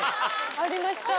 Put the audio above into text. ありました。